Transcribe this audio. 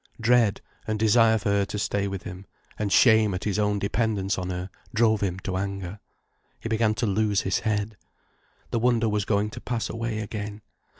Dread, and desire for her to stay with him, and shame at his own dependence on her drove him to anger. He began to lose his head. The wonder was going to pass away again.